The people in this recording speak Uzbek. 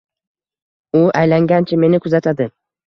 U aylangancha meni kuzatadi…